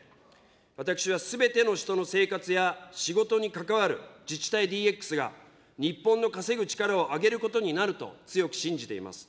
私はすべての人の生活や仕事に関わる自治体ＤＸが日本の稼ぐ力を上げることになると強く信じています。